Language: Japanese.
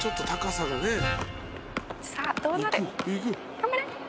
「頑張れ！」